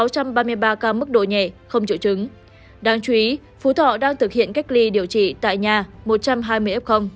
sáu trăm ba mươi ba ca mức độ nhẹ không triệu chứng đáng chú ý phú thọ đang thực hiện cách ly điều trị tại nhà một trăm hai mươi f